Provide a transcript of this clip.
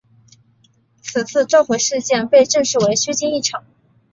此次召回事件被证实为虚惊一场。